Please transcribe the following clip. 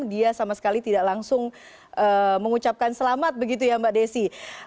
dia sama sekali tidak langsung mengucapkan selamat begitu ya mbak desi